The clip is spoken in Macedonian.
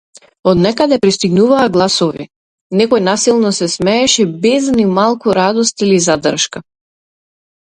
Од некаде пристигнуваа гласови, некој насилно се смееше, без ни малку радост или задршка.